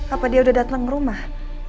apa dia udah dateng rumah